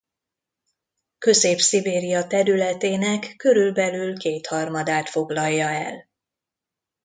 Közép-Szibéria területének körülbelül kétharmadát foglalja el.